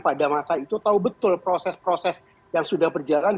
pada masa itu tahu betul proses proses yang sudah berjalan